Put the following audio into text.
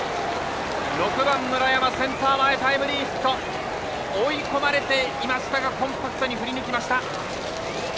６番、村山センター前タイムリーヒット１追い込まれていましたがコンパクトに振り抜きました。